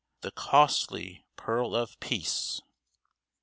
The costly pearl of Peace